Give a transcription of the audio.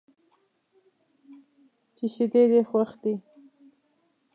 چې شیدې دې خوښ دي.